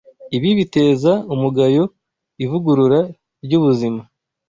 Ibi biteza umugayo ivugurura ry’ubuzima